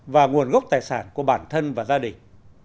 và nguồn gốc tài sản của bản thân và gia đình